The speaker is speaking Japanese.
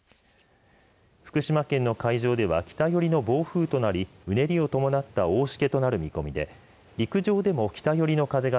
福島県の海上では北寄りの暴風となりうねりを伴った大しけとなる見込みで陸上でも北寄りの風が